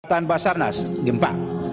tanpa sarnas gempa